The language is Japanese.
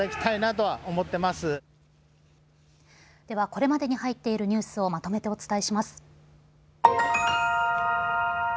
ではこれまでに入っているニュースをまとめてお伝えします。